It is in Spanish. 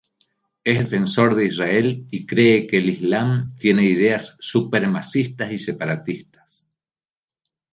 Es defensor de Israel y cree que el Islam tiene ideas supremacistas y separatistas.